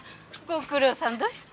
ご苦労さんどした。